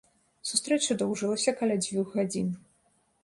Сустрэча доўжылася каля дзвюх гадзін.